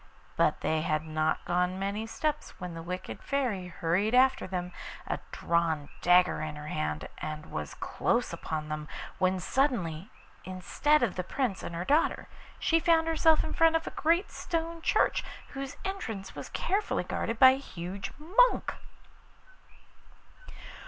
But they had not gone many steps when the wicked Fairy hurried after them, a drawn dagger in her hand, and was close upon them, when suddenly, instead of the Prince and her daughter, she found herself in front of a great stone church, whose entrance was carefully guarded by a huge monk.